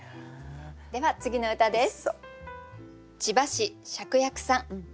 では次の歌です。